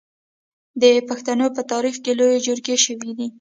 د پښتنو په تاریخ کې لویې جرګې شوي دي.